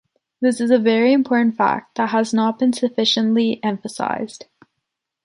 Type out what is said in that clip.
This is a very important fact that has not been sufficiently emphasized.